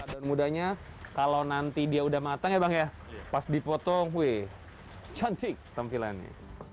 daun mudanya kalau nanti dia udah matang ya bang ya pas dipotong kue cantik tampilannya